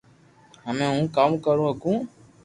ھمي ھون ڪاو ڪري ھگو